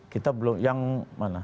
kita belum yang mana